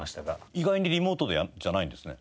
意外にリモートでじゃないんですね。